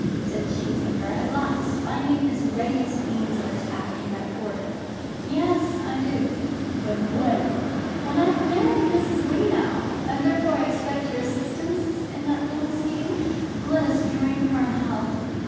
said Cheesacre, at last, finding his readiest means of attack in that quarter. "Yes, I do." "But when?" "When I've married Mrs. Greenow, and, therefore, I expect your assistance in that little scheme. Let us drink her health.